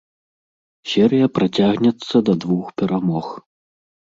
Серыя працягнецца да двух перамог.